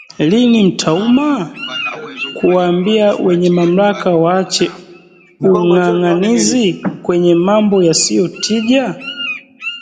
Lini mtauma? Kuwaambia wenye mamlaka waache ung’ang’anizi kwenye mambo yasiyo tija